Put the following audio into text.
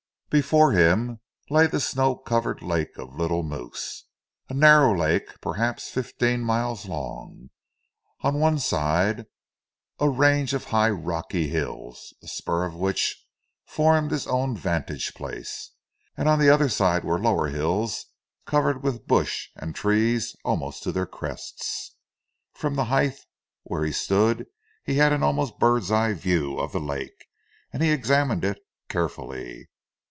Before him lay the snow covered lake of the Little Moose, a narrow lake perhaps fifteen miles long. On one side ran a range of high rocky hills, a spur of which formed his own vantage place, and on the other side were lower hills covered with bush and trees almost to their crests. From the height where he stood he had an almost bird's eye view of the lake, and he examined it carefully.